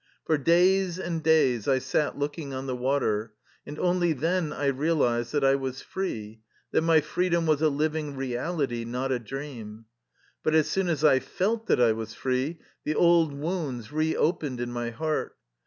For days and days I sat looking on the water, and only then I realized that I was free, that my freedom was a living reality, not a dream. But as soon as I felt that I was free, the old wounds re opened in my heart.